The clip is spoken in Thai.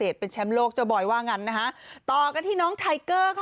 ต่อกลังที่น้องไทเกอร์